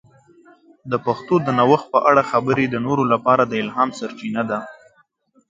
د پښتو د نوښت په اړه خبرې د نورو لپاره د الهام سرچینه ده.